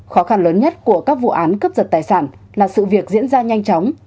khó khăn lớn nhất của các vụ án cướp giật tài sản là sự việc diễn ra nhanh chóng